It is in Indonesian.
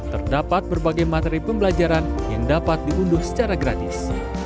terdapat berbagai materi pembelajaran yang dapat diunduh secara gratis